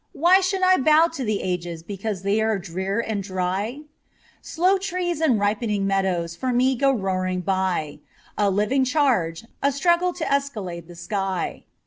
Why should I bow to the Ages Because they are drear and dry ? Slow trees and ripening meadows For me go roaring by, A living charge, a struggle To escalade the sky.